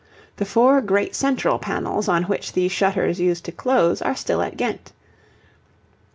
The four great central panels on which these shutters used to close are still at Ghent.